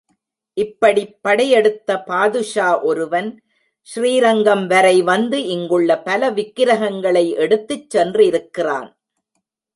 இப்படிப் படையெடுத்த பாதுஷா ஒருவன், ஸ்ரீ ரங்கம் வரை வந்து இங்குள்ள பல விக்கிரகங்களை எடுத்துச் சென்றிருக்கிறான்.